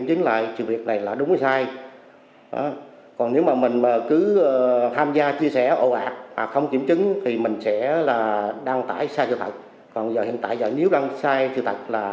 còn giờ hiện tại nếu đăng sai sự thật là sẽ bị xử lý nghiêm theo quy định của pháp luật